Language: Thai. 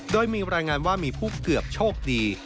โดยมีรายงานว่ามีผู้เกือบโชคดี